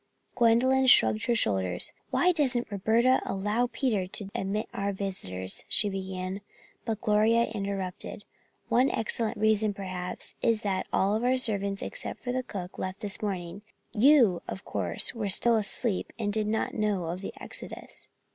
Gwendolyn shrugged her shoulders. "Why doesn't Roberta allow Peter to admit our visitors," she began, but Gloria interrupted: "One excellent reason, perhaps, is that all our servants except the cook left this morning. You, of course, were still asleep and did not know of the exodus."